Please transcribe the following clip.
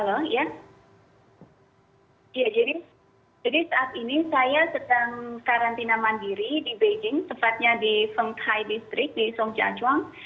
dan iya memang benar saat saya sedang karantina mandiri di beijing sempatnya di fenghai district di songjiazhuang